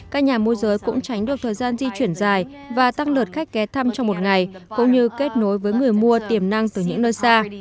các nhà mua giới cũng tránh được thời gian di chuyển dài